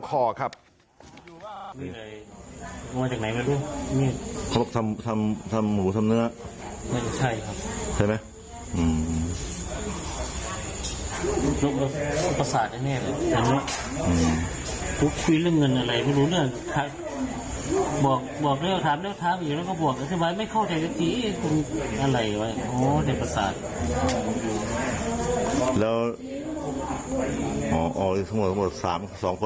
บอกแล้วถามแล้วถามอีกแล้วก็บอก